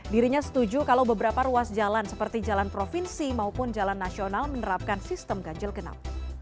dirinya setuju kalau beberapa ruas jalan seperti jalan provinsi maupun jalan nasional menerapkan sistem ganjil genap